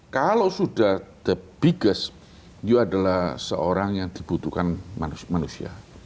kalau sudah the biggest you adalah seorang yang dibutuhkan manusia